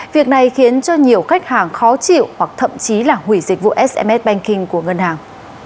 việc này khiến cho nhiều khách hàng khó chịu hoặc thậm chí là hủy dịch vụ sms banking của ngân hàng